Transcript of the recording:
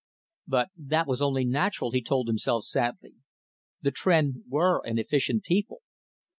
But that was only natural, he told himself sadly; the Tr'en were an efficient people.